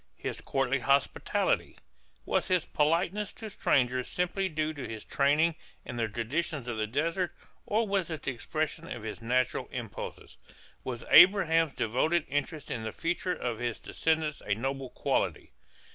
His courtly hospitality? Was his politeness to strangers simply due to his training and the traditions of the desert or was it the expression of his natural impulses? Was Abraham's devoted interest in the future of his descendants a noble quality?